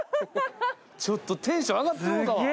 ちょっとテンション上がってもうた。